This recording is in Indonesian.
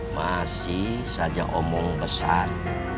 masih saja omong besar